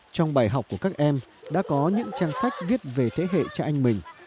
trong bài học của các em đã có những trang sách viết về thế hệ cha anh mình